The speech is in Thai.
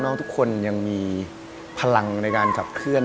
ทุกคนยังมีพลังในการขับเคลื่อ